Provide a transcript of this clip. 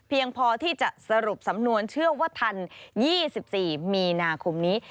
พอที่จะสรุปสำนวนเชื่อว่าทัน๒๔มีนาคมนี้